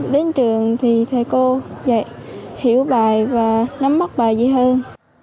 đến trường thì thầy cô hiểu bài và nắm mắt bài dễ hơn